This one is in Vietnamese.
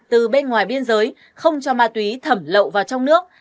ngăn chặn tư xa từ bên ngoài biên giới không cho ma túy thẩm lậu vào trong nước